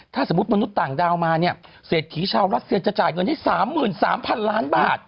ถ้าสมมุติมนุษย์ต่างดาวมาเนี่ยเศรษฐีชาวรัสเซียจะจ่ายเงินให้๓๓๐๐๐ล้านบาท